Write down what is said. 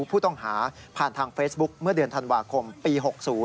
ผู้ต้องหาผ่านทางเฟซบุ๊คเมื่อเดือนธันวาคมปี๖๐